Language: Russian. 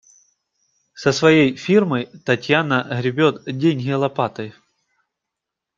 Со своей фирмой Татьяна гребёт деньги лопатой.